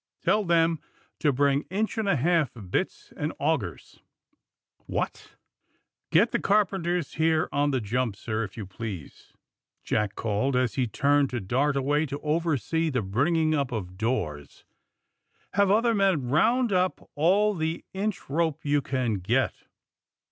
Tell them to bring inch and a half bits and augers. 130 THE SUBMAEINE BOYS ^^Get the carpenters here on the jump, sir, if yon please!" Jack called, as he tnrned to dart away to oversee the bringing np of doors. '^ Have other men ronnd np all the inch rope yon can get."